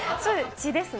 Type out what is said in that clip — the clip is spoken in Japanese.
血ですね。